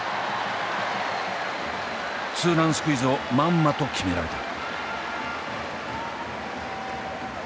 ツーランスクイズをまんまと決められた。